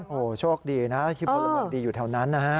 โอ้โหโชคดีนะที่พลเมืองดีอยู่แถวนั้นนะฮะ